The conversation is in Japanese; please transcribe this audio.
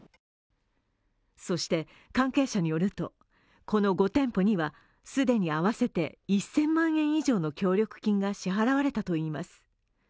そして関係者によると、この５店舗には既に合わせて１０００万円以上の協力金が支払われたといいます。